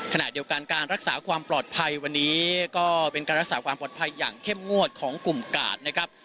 ขณะเดียวกันการรักษาความปลอดภัยวันนี้ก็เป็นการรักษาความปลอดภัยอย่างเข้มงวดของกลุ่มกาดนะครับ